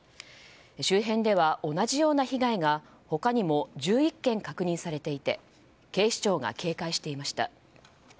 周辺では同じような被害が他にも１１件確認されていて警視庁が警戒していました。